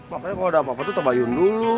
pokoknya kalau ada apa apa tuh tobayun dulu